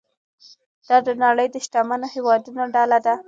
دا د نړۍ د شتمنو هیوادونو ډله ده.